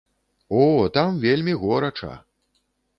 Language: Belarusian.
О, там вельмі горача!